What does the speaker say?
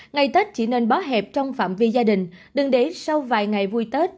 ngày tết chỉ nên bó hẹp trong phạm vi gia đình đừng để sau vài ngày vui tết